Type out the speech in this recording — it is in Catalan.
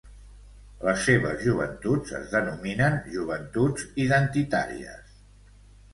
Les seves joventuts es denominen Joventuts Identitàries.